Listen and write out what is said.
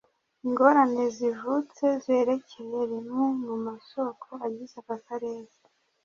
Ingorane zivutse zerekeye rimwe mu masoko agize aka karere